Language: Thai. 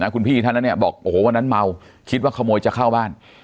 คุณพี่ท่านนั้นบอกว่านั้นเมาคิดว่าขโมยจะเข้าบ้าน